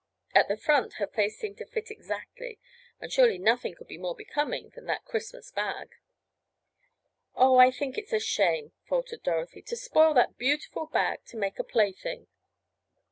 At the front her face seemed to fit exactly, and surely nothing could be more becoming than that Christmas bag. "Oh, I think it's a shame," faltered Dorothy, "to spoil that beautiful bag to make a plaything."